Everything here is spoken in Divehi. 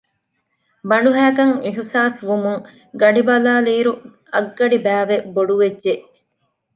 ބަނޑުހައިކަން އިޙްސާސްވުމުން ގަޑިބަލާލިއިރު އަށްގަޑިބައިވެ ބޮޑުވެއްޖެ